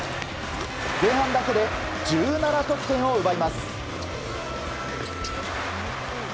前半だけで１７得点を奪います。